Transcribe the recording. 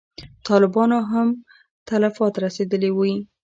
طالبانو ته هم تلفات رسېدلي وي.